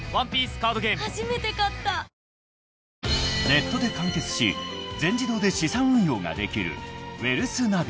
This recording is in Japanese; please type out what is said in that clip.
［ネットで完結し全自動で資産運用ができる］